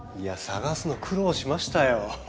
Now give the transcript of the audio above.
捜すの苦労しましたよ。